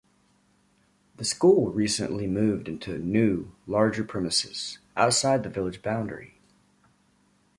The school recently moved into new, larger premises, outside the village boundary.